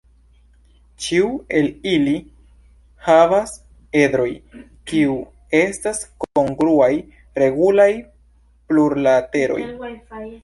Ĉiu el ili havas edroj kiu estas kongruaj regulaj plurlateroj.